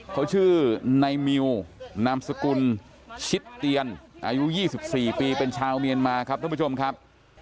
เขาชื่อในมิวนามสกุลชิดเตียนอายุ๒๔ปีเป็นชาวเมียนมาครับท่านผู้ชมครับ